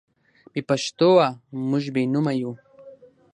بې پښتوه موږ بې نومه یو.